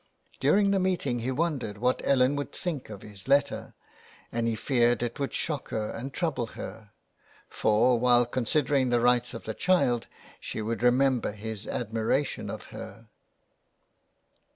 During the meeting he wondered what Ellen would think of his letter, and he feared it would shock her and trouble her ; for, while considering the rights of the child, she would remember his admiration of her.